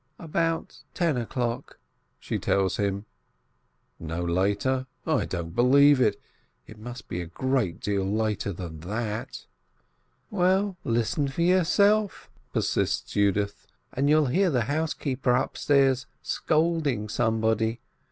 "About ten o'clock," she tells him. "No later? I don't believe it. It must be a great deal later than that." "Well, listen for yourself," persists Yudith, "and you'll hear the housekeeper upstairs scolding somebody.